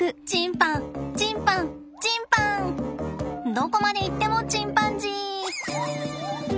どこまでいってもチンパンジー！